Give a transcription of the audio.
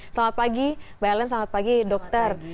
selamat pagi mbak ellen selamat pagi dokter